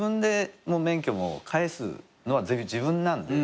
免許も返すのは全部自分なんで。